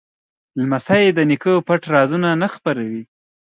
لمسی د نیکه پټ رازونه نه خپروي.